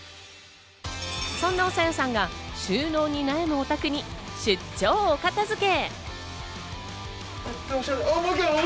そんなおさよさんが収納に悩むお宅に出張お片付け。